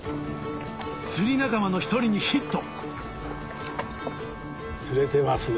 釣り仲間の１人にヒット釣れてますね。